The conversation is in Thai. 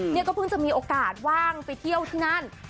เนี่ยก็เพิ่งจะมีโอกาสว่างไปเที่ยวที่นั่น